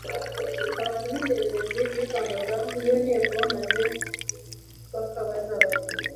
Abantu b'indeberezi bivangaga n'iyo nteko maze bakabaza bati :